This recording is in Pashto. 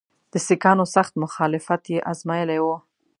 د سیکهانو سخت مخالفت یې آزمېیلی وو.